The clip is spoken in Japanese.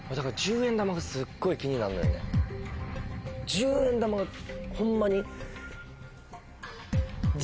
１０円玉がホンマに。